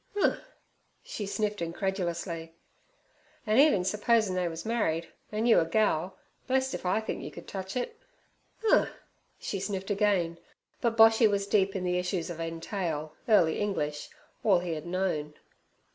'Uh!' she sniffed incredulously. 'An' even s'posin' they was married, an' you a gal, blest if I think you could touch it.' 'Uh!' she sniffed again; but Boshy was deep in the issues of entail, early English, all he had known.